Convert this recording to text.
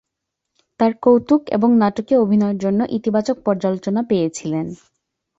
তার কৌতুক এবং নাটকীয় অভিনয়ের জন্য ইতিবাচক পর্যালোচনা পেয়েছিলেন।